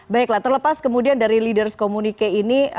baiklah terlepas kemudian dari leaders communique ini